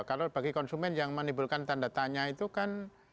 kalau bagi konsumen yang menimbulkan tanda tanya itu kan